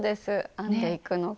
編んでいくのが。